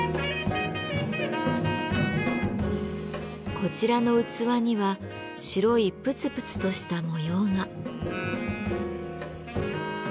こちらの器には白いプツプツとした模様が。